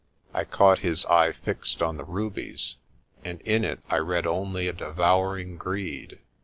I caught his eye fixed on the rubies and in it I read only a devouring greed.